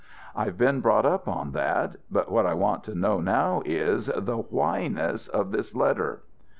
"I've been brought up on that. But what I want to know now is the whyness of this letter."